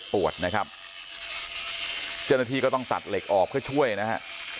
ปวดนะครับเจ้าหน้าที่ก็ต้องตัดเหล็กออกเพื่อช่วยนะฮะ